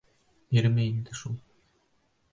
Ирме инде шул?